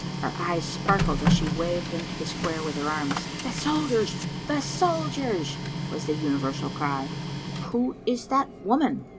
Her eyes sparkled as she waved them to the square with her arms. "The soldiers, the soldiers!" was the universal cry. "Who is that woman?'